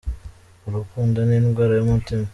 Urukundo ni indwara y'umutima.